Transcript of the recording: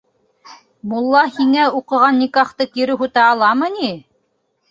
Мулла һиңә уҡыған никахты кире һүтә аламы ни?